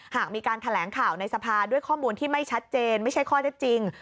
หากมีการแถลงข่าวในสภาด้วยข้อมูลที่ไม่ชัดเจนไม่ใช่ข้อเท็จจริง